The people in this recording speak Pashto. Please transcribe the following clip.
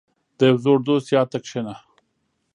• د یو زوړ دوست یاد ته کښېنه.